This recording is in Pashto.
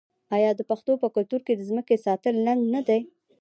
آیا د پښتنو په کلتور کې د ځمکې ساتل ننګ نه دی؟